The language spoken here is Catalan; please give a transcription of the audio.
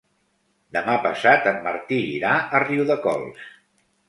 Demà passat en Martí irà a Riudecols.